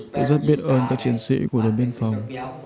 tôi rất biết ơn các chiến sĩ của đồn biên phòng